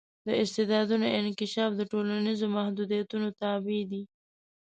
د استعدادونو انکشاف د ټولنیزو محدودیتونو تابع دی.